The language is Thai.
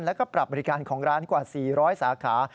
แล้วก็ปรับบริการของร้านกว่า๔๐๐สาขา